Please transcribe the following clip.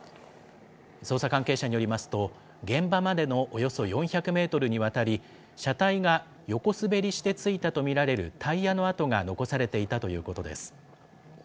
捜査関係者によりますと、現場までのおよそ４００メートルにわたり、車体が横滑りして付いたと見られるタイヤの跡が残されていたということです。